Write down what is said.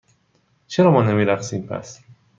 چرا ما نمی رقصیم، پس؟